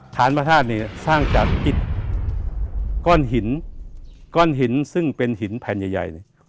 ฐานพระธาตุนี้สร้างจากกิตก้อนหินซึ่งเป็นหินแผ่นใหญ่